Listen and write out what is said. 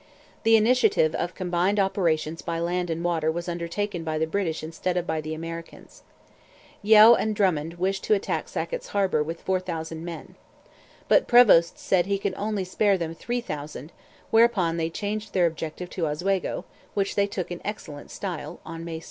The initiative of combined operations by land and water was undertaken by the British instead of by the Americans. Yeo and Drummond wished to attack Sackett's Harbour with four thousand men. But Prevost said he could spare them only three thousand; whereupon they changed their objective to Oswego, which they took in excellent style, on May 6.